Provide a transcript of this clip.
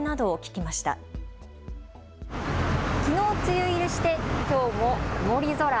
きのう梅雨入りしてきょうも曇り空。